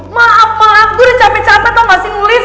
maaf maaf gue udah capek capek tau gak sih ngulis